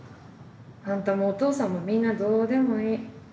あんたもお父さんもみんなどうでもいい。